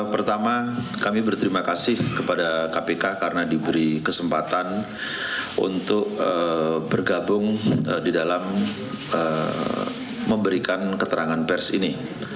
pertama kami berterima kasih kepada kpk karena diberi kesempatan untuk bergabung di dalam memberikan keterangan pers ini